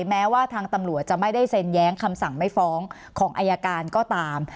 แม้ว่าทางตำรวจจะไม่ได้เซ็นแย้งคำสั่งไม่ฟ้องของอายการก็ตาม